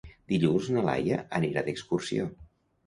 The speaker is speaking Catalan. Dilluns na Laia anirà d'excursió.